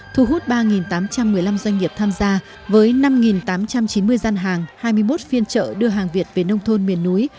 thu hút ba tám trăm một mươi năm doanh nghiệp tham gia với năm tám trăm chín mươi gian hàng hai mươi một phiên trợ đưa hàng việt về nông thôn miền núi